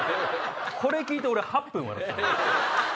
これ聞いて俺８分笑った。